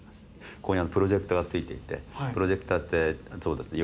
ここにプロジェクターがついていてプロジェクターってそうですね